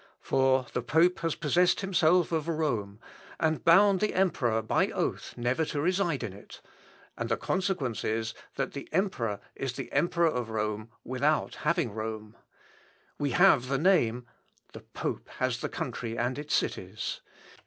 For the pope has possessed himself of Rome, and bound the emperor by oath never to reside in it; and the consequence is, that the emperor is the emperor of Rome without having Rome. We have the name; the pope has the country and its cities.